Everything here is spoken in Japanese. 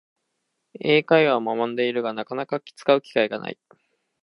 英会話を学んでいるが、なかなか使う機会がない